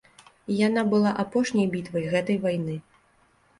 Яна была апошняй бітвай гэтай вайны.